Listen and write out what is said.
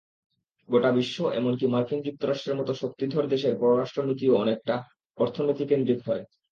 গোটা বিশ্ব এমনকি মার্কিন যুক্তরাষ্ট্রের মতো শক্তিধর দেশের পররাষ্ট্রনীতিও অনেকটা অর্থনীতিকেন্দ্রিক হয়।